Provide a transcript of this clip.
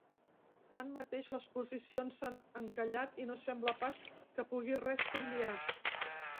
Tanmateix, les posicions s’han encallat i no sembla pas que pugui res canviar.